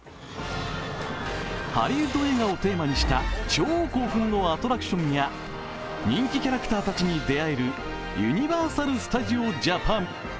ハリウッド映画をテーマにした超興奮のアトラクションや人気キャラクターたちに出会えるユニバーサル・スタジオ・ジャパン。